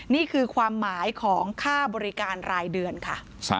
นี่คือความหมายของค่าบริการรายเดือนค่ะ